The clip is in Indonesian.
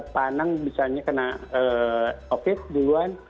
panang misalnya kena covid duluan